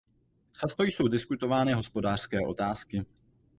Často jsou diskutovány hospodářské otázky.